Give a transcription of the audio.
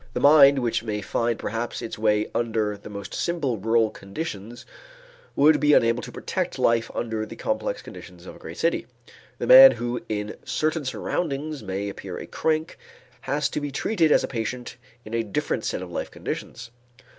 The mind which may find perhaps its way under the most simple rural conditions would be unable to protect life under the complex conditions of a great city. The man who in certain surroundings may appear a crank has to be treated as a patient in a different set of life conditions.